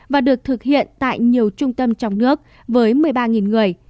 và được thực hiện tại nhiều trung tâm trong nước với một mươi ba người